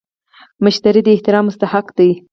مشتري د احترام مستحق دی.